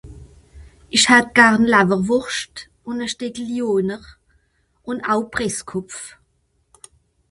Isch hätt Garn Lawerwurscht un e Steckel Lyoner un au Presskopf